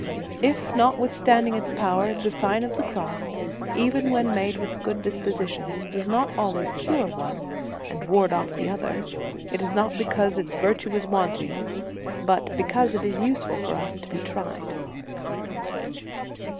If, notwithstanding its power, the Sign of the Cross, even when made with good disposi tions, does not always cure the one, and ward off the other, it is not because its virtue is wanting, but because it is useful for us to be tried.